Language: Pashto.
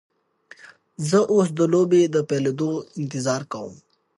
زه اوس د لوبې د پیلیدو انتظار کوم.